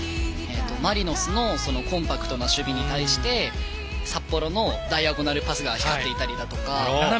マリノスのコンパクトな守備に対して札幌のダイアゴナルパスが斜めのパス